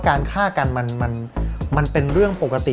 การฆ่ากันมันเป็นเรื่องปกติ